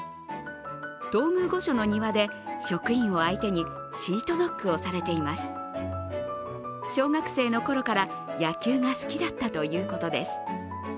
東宮御所の庭で、職員を相手にシートノックをされています小学生のころから野球が好きだったということです。